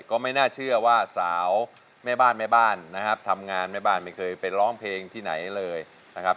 ก็ไม่น่าเชื่อว่าสาวแม่บ้านแม่บ้านนะครับทำงานแม่บ้านไม่เคยไปร้องเพลงที่ไหนเลยนะครับ